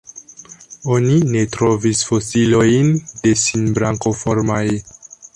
Oni ne trovis fosiliojn de Sinbrankoformaj.